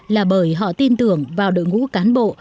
là bởi họ tin tưởng vào đội ngũ cán bộ